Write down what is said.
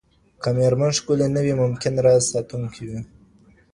که ميرمن ښکلي نه وي، ممکن راز ساتونکې وي